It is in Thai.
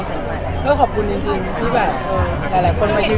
แต่ก็ขอบคุณจริงที่แบบหลายคนมายืน